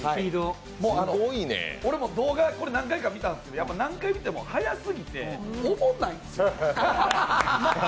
俺も動画、これ何回か見たんですけど、何回見ても速すぎておもんないすよ。